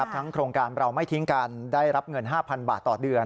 โครงการเราไม่ทิ้งกันได้รับเงิน๕๐๐บาทต่อเดือน